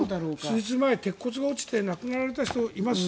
数日前、鉄骨が落ちて亡くなられた人がいます。